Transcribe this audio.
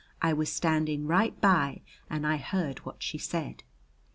I was standing right by and I heard what she said.